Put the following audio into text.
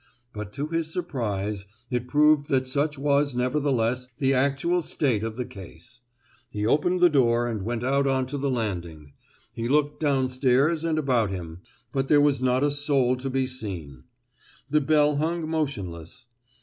But, to his surprise, it proved that such was nevertheless the actual state of the case! He opened the door and went out on to the landing; he looked downstairs and about him, but there was not a soul to be seen. The bell hung motionless.